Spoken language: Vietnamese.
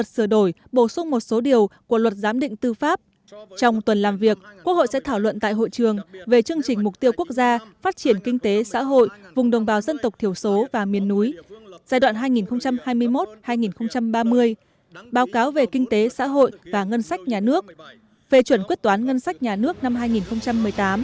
trong tuần làm việc quốc hội sẽ thảo luận tại hội trường về chương trình mục tiêu quốc gia phát triển kinh tế xã hội vùng đồng bào dân tộc thiểu số và miền núi giai đoạn hai nghìn hai mươi một hai nghìn ba mươi báo cáo về kinh tế xã hội và ngân sách nhà nước phê chuẩn quyết toán ngân sách nhà nước năm hai nghìn một mươi tám